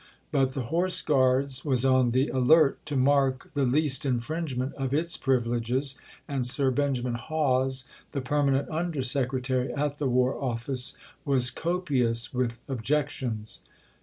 But the Horse Guards was on the alert to mark the least infringement of its privileges, and Sir Benjamin Hawes, the Permanent Under Secretary at the War Office, was copious with objections.